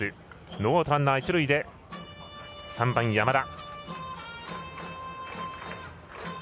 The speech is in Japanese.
ノーアウト、ランナー、一塁で３番、山田。